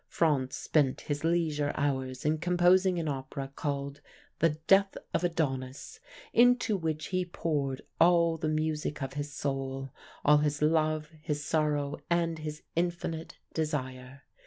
Franz spent his leisure hours in composing an opera called 'The Death of Adonis,' into which he poured all the music of his soul, all his love, his sorrow, and his infinite desire.